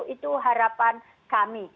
itu harapan kami